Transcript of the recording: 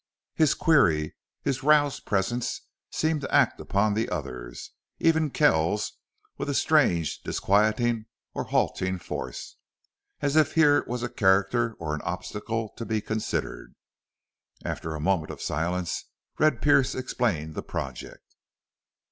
His query, his roused presence, seemed to act upon the others, even Kells, with a strange, disquieting or halting force, as if here was a character or an obstacle to be considered. After a moment of silence Red Pearce explained the project.